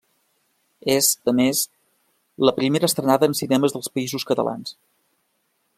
És, a més, la primera estrenada en cinemes dels Països Catalans.